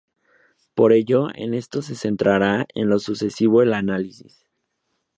Por ello, en esto se centrará en lo sucesivo el análisis.